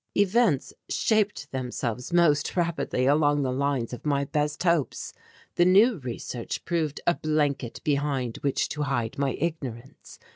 Events shaped themselves most rapidly along the lines of my best hopes. The new research proved a blanket behind which to hide my ignorance.